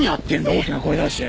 大きな声出して！